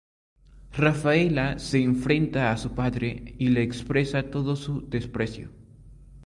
Rafaela se enfrenta a su padre y le expresa todo su desprecio.